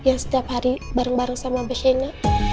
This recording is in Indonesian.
yang setiap hari bareng bareng sama mbak shena